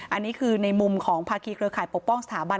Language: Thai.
อันนี้คือในมุมของภาคีเครือข่ายปกป้องสถาบัน